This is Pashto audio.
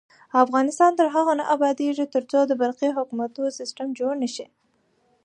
افغانستان تر هغو نه ابادیږي، ترڅو د برقی حکومتولي سیستم جوړ نشي.